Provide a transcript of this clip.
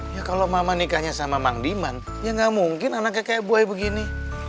ya kalau mama nikahnya sama mang diman ya nggak mungkin anaknya kayak buaya begini